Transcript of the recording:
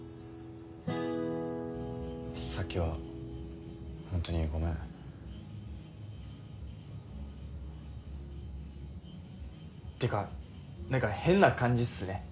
さっきはほんとにごめん。ってかなんか変な感じっすね